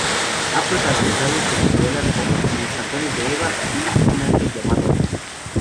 Ha protagonizado telenovelas como "En los tacones de Eva" y "Un ángel llamado Azul